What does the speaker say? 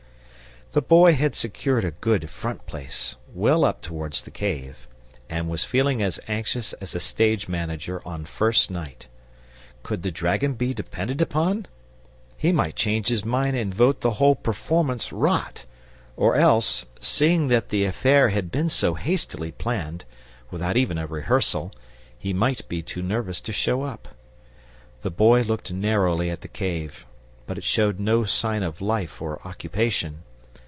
The Boy had secured a good front place, well up towards the cave, and was feeling as anxious as a stage manager on a first night. Could the dragon be depended upon? He might change his mind and vote the whole performance rot; or else, seeing that the affair had been so hastily planned, without even a rehearsal, he might be too nervous to show up. The Boy looked narrowly at the cave, but it showed no sign of life or occupation.